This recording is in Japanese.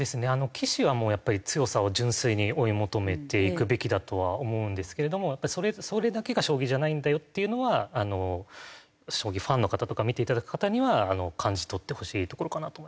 棋士はやっぱり強さを純粋に追い求めていくべきだとは思うんですけれどもそれだけが将棋じゃないんだよっていうのは将棋ファンの方とか見ていただく方には感じ取ってほしいところかなと思います。